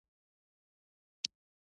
ریښه یې په اروپايي استعمار کې وه.